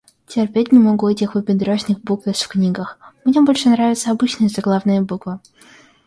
Терпеть не могу этих выпендрёжных буквиц в книгах. Мне больше нравятся обычные заглавные буквы